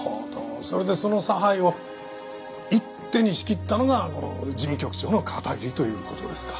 それでその差配を一手に仕切ったのがこの事務局長の片桐という事ですか。